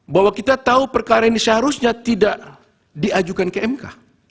bahwa kita tahu perkara ini seharusnya tidak diajukan ke mk